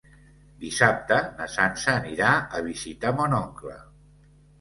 Dissabte na Sança anirà a visitar mon oncle.